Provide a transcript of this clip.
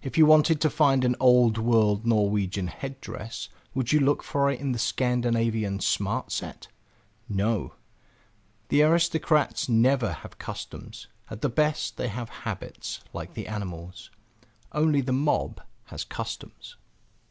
If you wanted to find an old world Norwegian head dress, would you look for it in the Scandinavian Smart Set? No; the aristocrats never have customs; at the best they have habits, like the animals. Only the mob has customs.